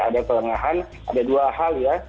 ada kelengahan ada dua hal ya